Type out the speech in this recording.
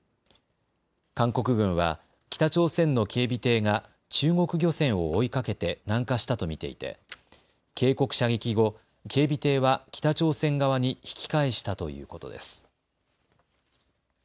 韓国軍は北朝鮮の警備艇が中国漁船を追いかけて南下したと見ていて警告射撃後、警備艇は北朝鮮側に引き返したということです。